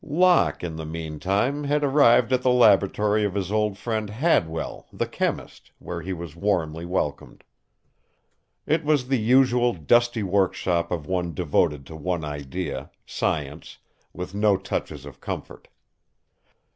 Locke, in the mean time, had arrived at the laboratory of his old friend Hadwell, the chemist, where he was warmly welcomed. It was the usual dusty workshop of one devoted to one idea science with no touches of comfort.